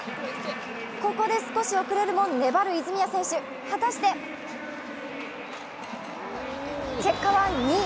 ここで少し遅れるも粘る泉谷選手、果たして結果は２位。